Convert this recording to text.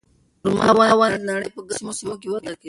خورما ونې د نړۍ په ګرمو سیمو کې وده کوي.